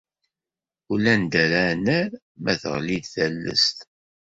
Ulanda ara nerr ma teɣli-d tallast.